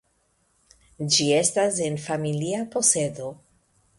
Ĝi estas en familia posedo.